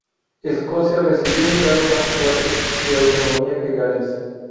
Escocia recibió un grado más fuerte de autonomía que Gales.